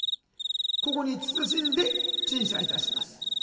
ここに謹んで陳謝いたします。